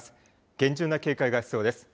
厳重な警戒が必要です。